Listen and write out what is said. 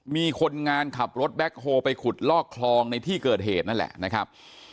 มีคนงานขับรถแบ็คโฮลไปขุดลอกคลองในที่เกิดเหตุนั่นแหละนะครับ